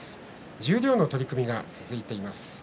十両の取組が続いています。